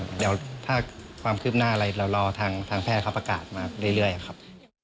เดี๋ยวถ้าความคืบหน้าอะไรเรารอทางแพทย์เขาประกาศมาเรื่อยครับ